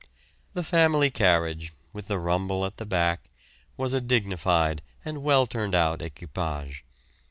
The family carriage with the rumble at the back was a dignified and well turned out equipage.